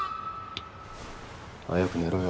早く寝ろよ